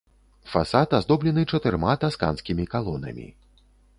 Фасад аздоблены чатырма тасканскімі калонамі.